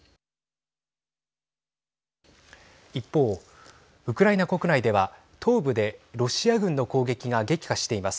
一方、ウクライナ国内では東部でロシア軍の攻撃が激化しています。